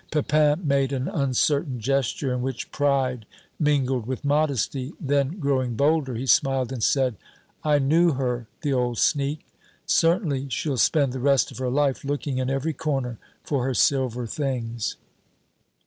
Pepin made an uncertain gesture, in which pride mingled with modesty; then, growing bolder, he smiled and said, "I knew her, the old sneak. Certainly, she'll spend the rest of her life looking in every corner for her silver things."